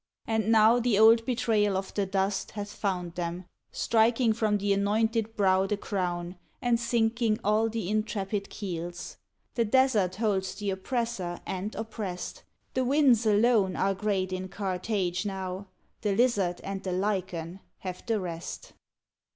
And now the old betrayal of the dust Hath found them, striking from the anointed brow The crown, and sinking all the intrepid keels. The desert holds the oppressor and oppressed; 94 THE PANAMA PACIFIC EXPOSITION The winds alone are great in Carthage now; The lizard and the lichen have the rest.